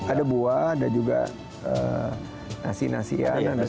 ada buah ada juga nasi nasian